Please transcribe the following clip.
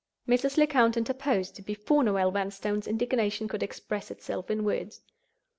Mrs. Lecount interposed before Noel Vanstone's indignation could express itself in words.